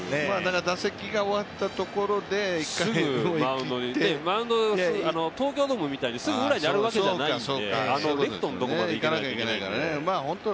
打席が終わったところですぐすぐマウンドに、東京ドームみたいにすぐ裏にあるわけじゃないんでレフトのところまで行かなきゃいけないので。